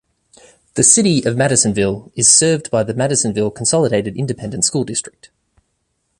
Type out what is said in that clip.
The City of Madisonville is served by the Madisonville Consolidated Independent School District.